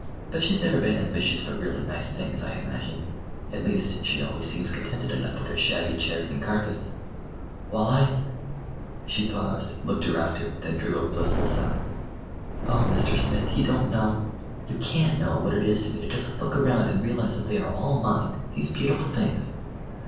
But she's never been ambitious for really nice things, I imagine. At least, she always seems contented enough with her shabby chairs and carpets. While I—" She paused, looked about her, then drew a blissful sigh. "Oh, Mr. Smith, you don't know—you can't know what it is to me to just look around and realize that they are all mine—these beautiful things!"